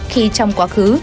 khi trong quá khứ